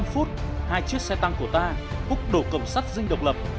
một mươi h bốn mươi năm hai chiếc xe tăng của ta hút đổ cộng sát rinh độc lập